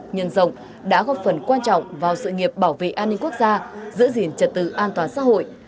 nhân rộng đã góp phần quan trọng vào sự nghiệp bảo vệ an ninh quốc gia giữ gìn trật tự an toàn xã hội